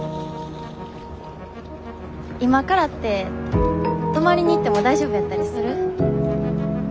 今からって泊まりに行っても大丈夫やったりする？